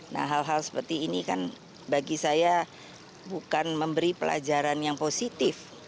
nah hal hal seperti ini kan bagi saya bukan memberi pelajaran yang positif